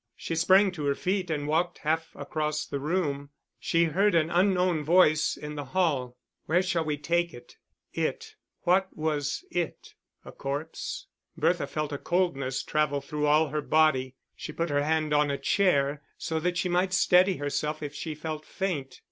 She sprang to her feet and walked half across the room. She heard an unknown voice in the hall. "Where shall we take it?" It. What was it a corpse? Bertha felt a coldness travel through all her body, she put her hand on a chair, so that she might steady herself if she felt faint.